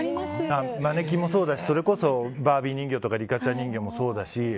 マネキンもそうだしそれこそバービー人形とかリカちゃん人形もそうだし